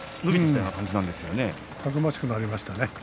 たくましくなりました。